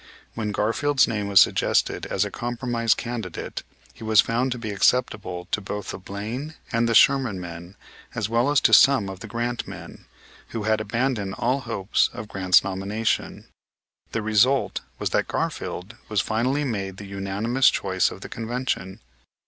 When Garfield's name was suggested as a compromise candidate he was found to be acceptable to both the Blaine and the Sherman men as well as to some of the Grant men, who had abandoned all hope of Grant's nomination. The result was that Garfield was finally made the unanimous choice of the convention.